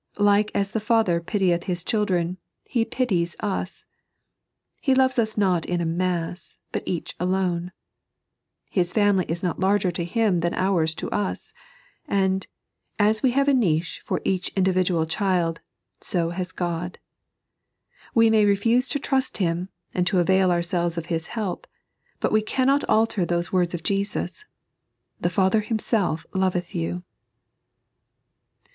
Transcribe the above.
Like as a father pitieth His children, He pities us. He loves us not in a mass, but each alone. H'« family is not larger to Him than ours to us ; and, as we have a niche for each individual child, so has God. We may refuse to trust Him, and to avail ourselves of His help, but we cannot alter those words of Jesus :" The Father Himself loveth you."